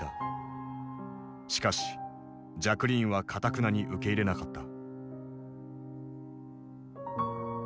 しかしジャクリーンはかたくなに受け入れなかった。